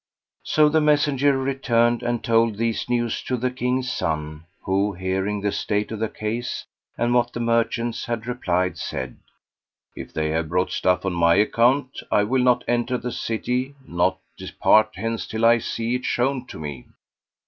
So the messenger returned and told these news to the King's son who, hearing the state of the case and what the merchants had replied, said, "If they have brought stuff on my account I will not enter the city nor depart hence till I see it shown to me."